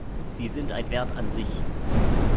Sie sind ein Wert an sich.